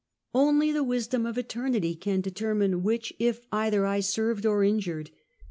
Only the wisdom of eternit}^ can determine which, if either, I served or injured.